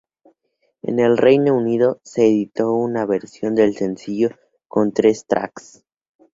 En el Reino Unido, se editó una versión del sencillo con tres tracks.